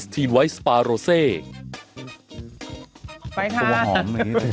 ตัวหอม